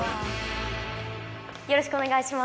よろしくお願いします。